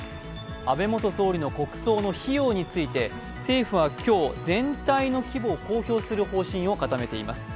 安倍元総理の国葬の費用について政府は今日、全体の規模を公表する方針を固めています。